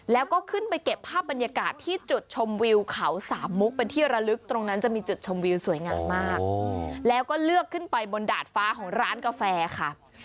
แล้วก็ขึ้นไปเก็บภาพบรรยากาศที่จุดชมวิวเขาสามมุกเป็นที่ระลึก